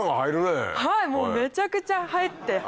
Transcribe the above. もうめちゃくちゃ入って。